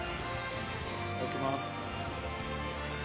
いただきます。